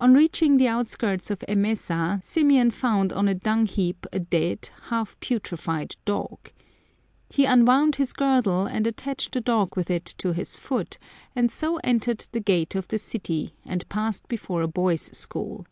On reaching the outskirts of Emesa, Symeon found on a dung heap a dead, half putrefied dog. He unwound his girdle and attached the dog with it to his foot, and so entered the gate of the city and passed before a boys' school.